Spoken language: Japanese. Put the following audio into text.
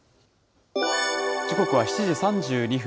時刻は７時３２分。